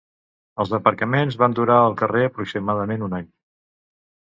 Els aparcaments van durar al carrer aproximadament un any.